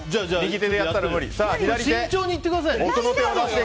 慎重に行ってくださいね。